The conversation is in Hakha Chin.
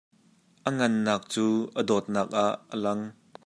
A ngannak cu a dawtnak ah a lang.